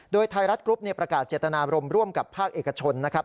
โดยไทยรัฐกรุ๊ปประกาศเจตนาบรมร่วมกับภาคเอกชนนะครับ